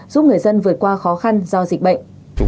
giúp người dân vượt qua khó khăn do dịch bệnh